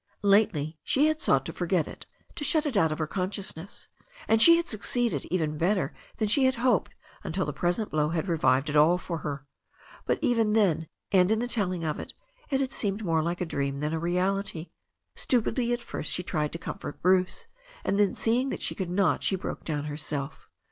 Lately she had sought to forget it, to shut it out of her consciousness, and she had succeeded even better than she had hoped until the present blow had revived it all for her. But even then, and in the telling of it, it had seemed more like a dream than a reality. Stupidly at first she tried to comfort Bruce, and then see ing that she could not, she broke down herself.